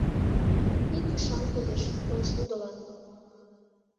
Ик ӱшан кодеш — коншудылан.